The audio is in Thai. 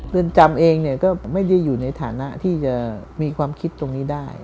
เรือนจำเองเนี่ยก็ไม่ได้อยู่ในฐานะที่จะมีความคิดตรงนี้ได้